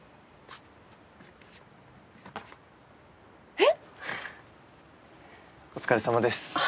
えっ⁉お疲れさまです。